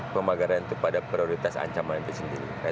pemagaran itu pada prioritas ancaman itu sendiri